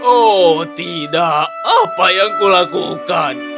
oh tidak apa yang kulakukan